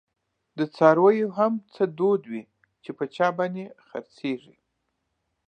د څارویو هم څه دود وی، چی په چا باندي خر څیږی